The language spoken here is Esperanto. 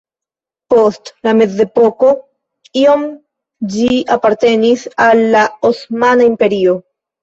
Post la mezepoko iom ĝi apartenis al la Osmana Imperio.